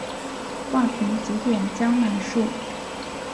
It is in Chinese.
画屏几点江南树。